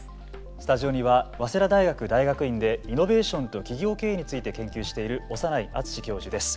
スタジオには早稲田大学大学院でイノベーションと企業経営について研究している長内厚教授です。